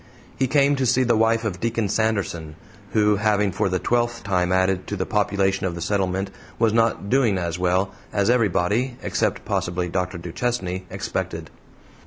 He came to see the wife of Deacon Sanderson, who, having for the twelfth time added to the population of the settlement, was not "doing as well" as everybody except, possibly, Dr. Duchesne expected.